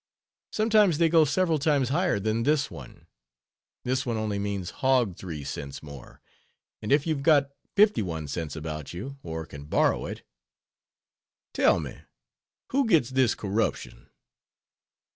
Sometimes they go several times higher than this one. This one only means hog 3 cents more. And so if you've got 51 cents about you, or can borrow it " "Tell me: who gets this corruption?"